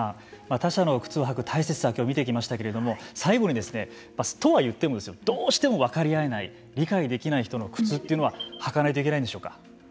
他者の靴を履く大切さ見てきましたけれども最後にですねとはいってもですよどうしても分かり合えない理解できない人の靴っていうのは履かないといけないんでしょうか。